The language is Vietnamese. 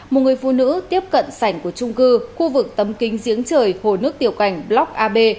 một người phụ nữ tiếp cận sảnh của trung cư khu vực tấm kính giếng trời hồ nước tiểu cành block ab